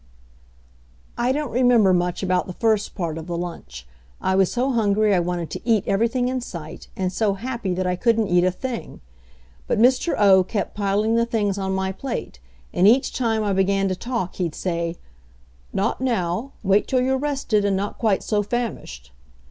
I don't remember much about the first part of the lunch. I was so hungry I wanted to eat everything in sight, and so happy that I couldn't eat a thing. But Mr. O. kept piling the things on my plate, and each time I began to talk he'd say: "Not now wait till you're rested, and not quite so famished."